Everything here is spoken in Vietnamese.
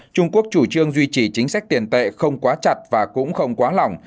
trong khi thủ trương duy trì chính sách tiền tệ không quá chặt và cũng không quá lỏng